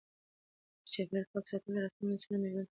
د چاپیریال پاک ساتل د راتلونکو نسلونو د ژوند د تضمین په مانا دی.